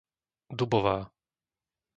Dubová